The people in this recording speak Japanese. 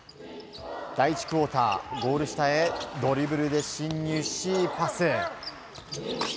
第１クオーターゴール下へドリブルで進入しパス。